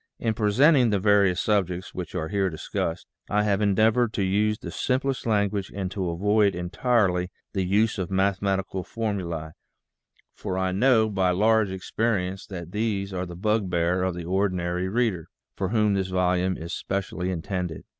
In presenting the various subjects which are here dis cussed, I have endeavored to use the simplest language and to avoid entirely the use of mathematical formulae, for 223166 iv PREFACE I know by large experience that these are the bugbear of the ordinary reader, for whom this volume is specially in tended.